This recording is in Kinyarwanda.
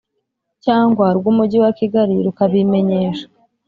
Cyangwa rw umujyi wa kigali rukabimenyesha